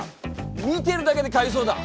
見てるだけでかゆそうだ。